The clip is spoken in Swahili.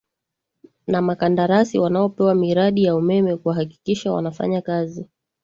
na makandarasi wanaopewa miradi ya umeme kuhakikisha wanafanya kazi